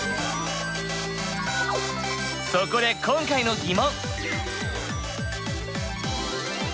そこで今回の疑問！